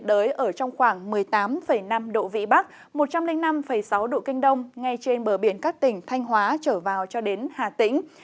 một trăm linh năm sáu độ canh đông ngay trên bờ biển các tỉnh thanh hóa trở vào cho đến hà tĩnh